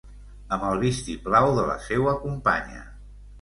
Amb el vistiplau de la seua companya.